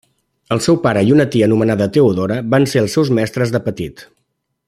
El seu pare i una tia, anomenada Teodora, van ser els seus mestres de petit.